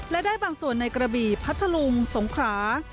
และได้บางส่วนในกระบี่พัทธลุงสงขรา